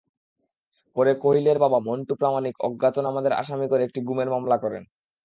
পরে কহিলের বাবা মন্টু প্রামাণিক অজ্ঞাতনামাদের আসামি করে একটি গুমের মামলা করেন।